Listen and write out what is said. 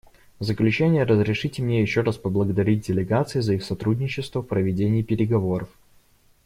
В заключение разрешите мне еще раз поблагодарить делегации за их сотрудничество в проведении переговоров.